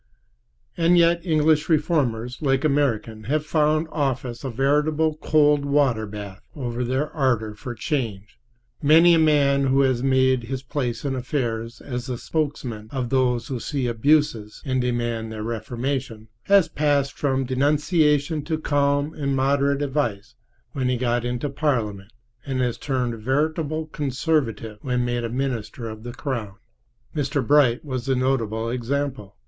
And yet English reformers, like American, have found office a veritable cold water bath for their ardor for change. Many a man who has made his place in affairs as the spokesman of those who see abuses and demand their reformation has passed from denunciation to calm and moderate advice when he got into Parliament, and has turned veritable conservative when made a minister of the crown. Mr. Bright was a notable example.